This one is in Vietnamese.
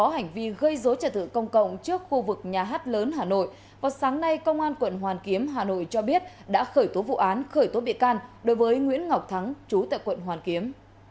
hành vi gây dối trật tự công cộng trước khu vực nhà hát lớn hà nội vào sáng nay công an quận hoàn kiếm hà nội cho biết đã khởi tố vụ án khởi tố bị can đối với nguyễn ngọc thắng chú tại quận hoàn kiếm